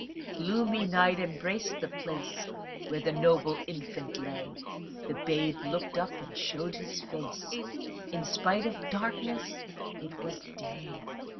Tityrus. Gloomy night embrac'd the place Where the noble infant lay: The babe looked up, and show'd his face, In spite of darkness it was day.